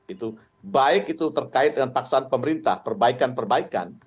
itu baik itu terkait dengan paksaan pemerintah perbaikan perbaikan